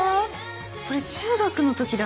これ中学の時だ。